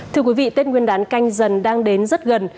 thưa quý vị tết nguyên đán canh dần đang đến rất gần